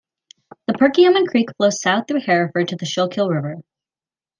The Perkiomen Creek flows south through Hereford to the Schuylkill River.